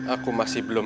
aku masih berpikir